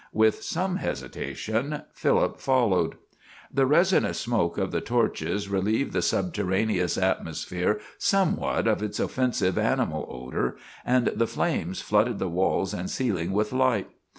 With some hesitation Philip followed. The resinous smoke of the torches relieved the subterraneous atmosphere somewhat of its offensive animal odor, and the flames flooded the walls and ceiling with light.